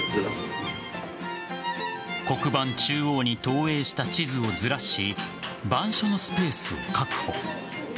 黒板中央に投影した地図をずらし板書のスペースを確保。